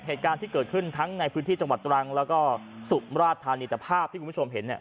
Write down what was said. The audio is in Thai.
เหตุการณ์ที่เกิดขึ้นทั้งในพื้นที่จังหวัดตรังแล้วก็สุมราชธานีแต่ภาพที่คุณผู้ชมเห็นเนี่ย